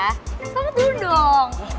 selamat dulu dong